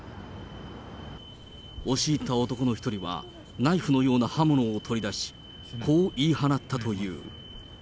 押し入った男の１人はナイフのような刃物を取り出し、こう言い放ったという。